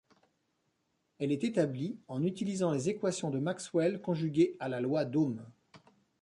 Elle est établie en utilisant les équations de Maxwell conjuguées à la loi d'Ohm.